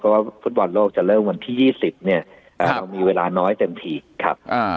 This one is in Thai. เพราะว่าฟุตบอลโลกจะเริ่มวันที่๒๐เนี่ยเรามีเวลาน้อยเต็มทีครับ